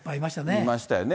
いましたよね。